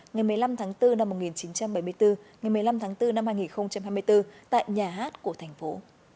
ngày một mươi năm tháng bốn năm một nghìn chín trăm bảy mươi bốn ngày một mươi năm tháng bốn năm hai nghìn hai mươi bốn tại nhà hát của thành phố